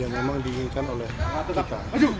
yang memang diinginkan oleh kpk